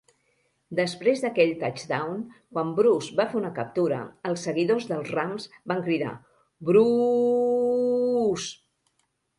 Després d'aquell touchdown, quan Bruce va fer una captura, els seguidors dels Rams van cridar "Bruuuuuuce".